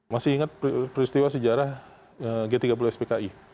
masih ingat peristiwa sejarah g tiga puluh spki